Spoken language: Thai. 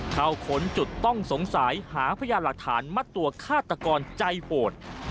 ขนจุดต้องสงสัยหาพยานหลักฐานมัดตัวฆาตกรใจโหด